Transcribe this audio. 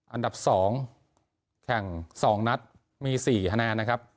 อันดับ๒แข่ง๒นัดมี๔คะแนนนะครับ